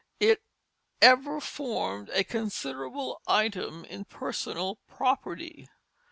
It ever formed a considerable item in personal property.